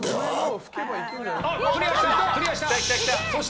クリアした！